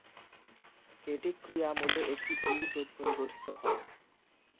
এটি ক্রিয়ামূলে একটি -ইউ যোগ করে গঠিত হয়।